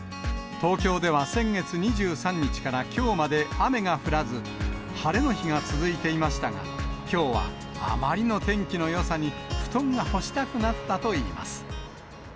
東京では先月２３日からきょうまで雨が降らず、晴れの日が続いていましたが、きょうはあまりの天気のよさに、布団が干したくなったといいます。